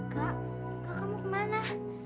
kak kak kamu kemana